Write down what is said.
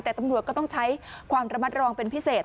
แต่ตำรวจก็ต้องใช้ความระมัดระวังเป็นพิเศษ